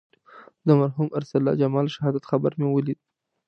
د مرحوم ارسلا جمال د شهادت خبر مې ولید.